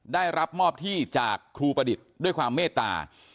ได้รับมอบที่จากครูประดิษฐ์ด้วยความเมตตา